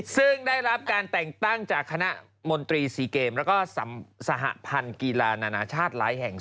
ซึ่งได้รับการแต่งตั้งจากคณะมนตรี๔เกมแล้วก็สหพันธ์กีฬานานาชาติหลายแห่ง